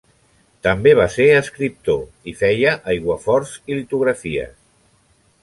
També va ser escriptor i feia aiguaforts i litografies.